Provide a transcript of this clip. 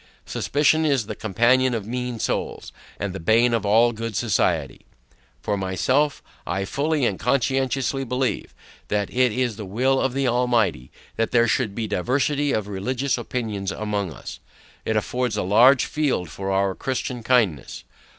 Suspicion is the companion of mean souls, and the bane of all good society. For myself, I fully and conscientiously believe, that it is the will of the Almighty, that there should be diversity of religious opinions among us: It affords a larger field for our Christian kindness.